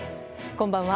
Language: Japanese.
こんばんは。